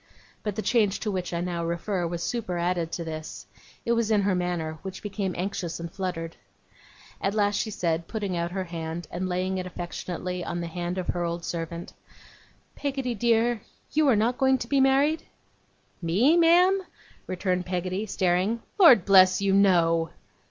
But the change to which I now refer was superadded to this: it was in her manner, which became anxious and fluttered. At last she said, putting out her hand, and laying it affectionately on the hand of her old servant, 'Peggotty, dear, you are not going to be married?' 'Me, ma'am?' returned Peggotty, staring. 'Lord bless you, no!